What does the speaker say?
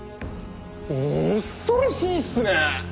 おっそろしいっすね！